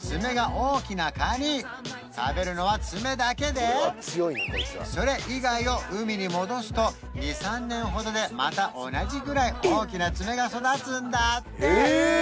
うわあすげっ強そうそれ以外を海に戻すと２３年ほどでまた同じぐらい大きな爪が育つんだってえ！